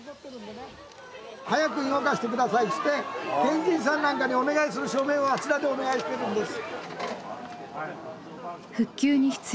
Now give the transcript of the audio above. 「早く動かして下さい」つって県知事さんなんかにお願いする署名をあちらでお願いしてるんです。